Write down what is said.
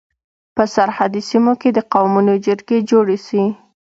په سرحدي سيمو کي د قومونو جرګي جوړي سي.